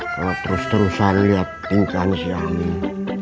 kalau terus terusan lihat tingkahnya si amin